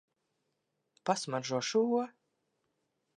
Pasmaržo šo.